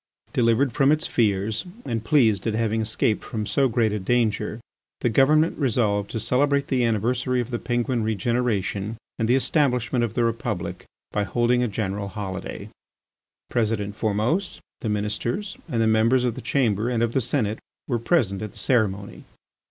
Delivered from its fears and pleased at having escaped from so great a danger, the government resolved to celebrate the anniversary of the Penguin regeneration and the establishment of the Republic by holding a general holiday. President Formose, the Ministers, and the members of the Chamber and of the Senate were present at the ceremony.